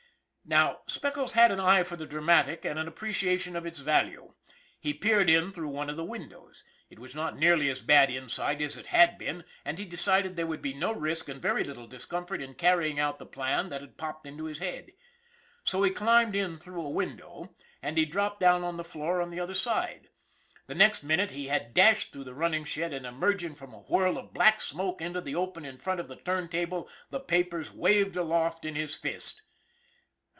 Now, Speckles had an eye for the dramatic and an appreciation of its value. He peered in through one of the windows. It was not nearly as bad inside as it had been, and he decided there would be no risk and very little discomfort in carrying out the plan that had popped into his head. So he climbed in through a window and dropped 322 ON THE IRON AT BIG CLOUD] down to the floor on the other side. The next minute he had dashed through the running shed, and emerged from a whirl of black smoke into the open in front of the turntable, the papers waved aloft in his fist.